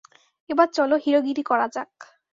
এবার চলো হিরোগিরি করা যাক।